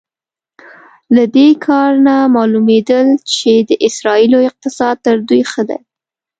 له دې کار نه معلومېدل چې د اسرائیلو اقتصاد تر دوی ښه دی.